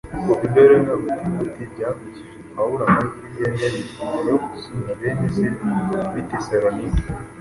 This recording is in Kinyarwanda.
Kuva i Beroya huti huti byavukije Pawulo amahirwe yari yarifuje yo gusura bene se b’i Tesalonike.